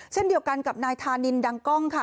เช่นเดียวกันกับนายธานินดังกล้องค่ะ